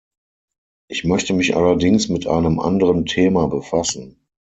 Ich möchte mich allerdings mit einem anderen Thema befassen.